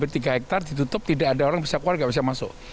tiga hektare ditutup tidak ada orang bisa keluar tidak bisa masuk